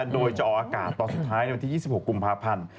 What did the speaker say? โดยจะออกอากาศตอนสุดท้ายในวันที่๒๖กุมภาพันธ์